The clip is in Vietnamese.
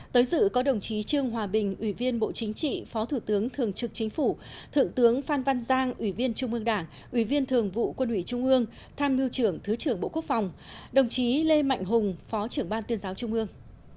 tới dự có đồng chí trương hòa bình ủy viên bộ chính trị phó thủ tướng thường trực chính phủ thượng tướng phan văn giang ủy viên trung ương đảng ủy viên thường vụ quân ủy trung ương tham mưu trưởng thứ trưởng bộ quốc phòng đồng chí lê mạnh hùng phó trưởng ban tuyên giáo trung ương